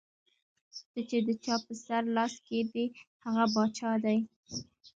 ته چې د چا پۀ سر لاس کېږدې ـ هغه باچا دے ـ